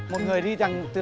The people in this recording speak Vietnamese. một người đi từ đằng này lại